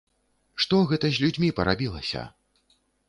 Што гэта з людзьмі парабілася?